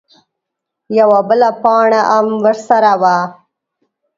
_يوه بله پاڼه ام ورسره وه.